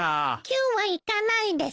今日は行かないです。